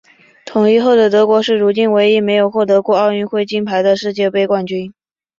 统一后的德国是如今唯一没有获得过奥运会金牌的世界杯冠军。